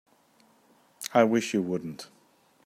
I wish you wouldn't.